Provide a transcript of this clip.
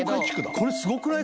これすごくない？